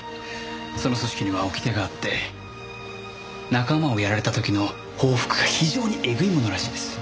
その組織には掟があって仲間をやられた時の報復が非常にエグいものらしいです。